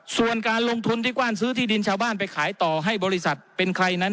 ส่วนการลงทุนที่กว้านซื้อที่ดินชาวบ้านไปขายต่อให้บริษัทเป็นใครนั้น